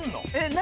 何？